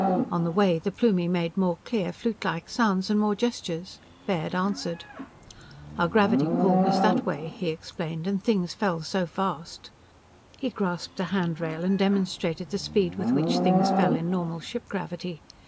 On the way the Plumie made more clear, flutelike sounds, and more gestures. Baird answered. "Our gravity pull was that way," he explained, "and things fell so fast." He grasped a handrail and demonstrated the speed with which things fell in normal ship gravity.